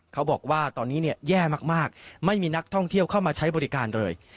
เขาบอกว่าตอนนี้เนี่ยแย่มากไม่มีนักท่องเที่ยวเข้ามาใช้บริการเลย